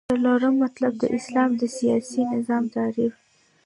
څلورم مطلب : د اسلام د سیاسی نظام تعریف